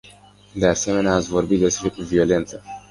De asemenea, ați vorbit despre violență.